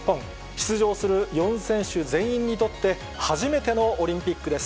出場する４選手全員にとって、初めてのオリンピックです。